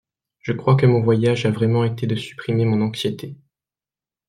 Je crois que mon voyage a vraiment été de supprimer mon anxiété.